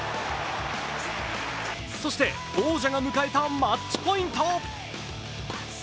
そして王者が迎えたマッチポイント。